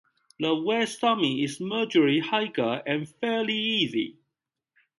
The West summit is marginally higher and fairly easy.